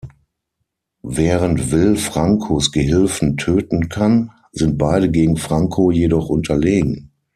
Während Will Francos Gehilfen töten kann, sind beide gegen Franco jedoch unterlegen.